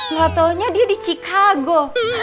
gak taunya dia di chicago